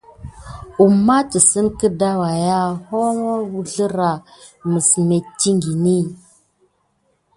Kuma tisine gəda waya ho na wuzlera metikine diy kisok.